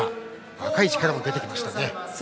若い力も出てきましたね。